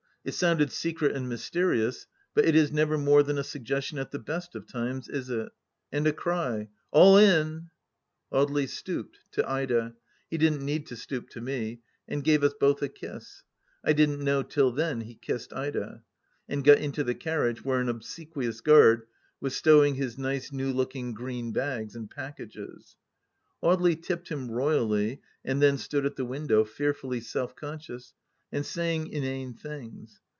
... It sounded secret and mysterious, but it is never more than a suggestion at the best of times, is it ?... and a cry. ..." All in !" Audely stooped — to Ida ; he didn't need to stoop to me— and gave us both a kiss (I didn't know till then he kissed Ida !), and got into the carriage, where an obsequious guard was stowing his nice new looking green bags and pack ages. ... Audely tipped him royally, and then stood at the win dow, fearfully self conscious — and saying inane things.